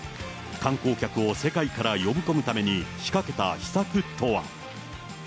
観光客を世界から呼び込むために、仕掛けた秘策とは。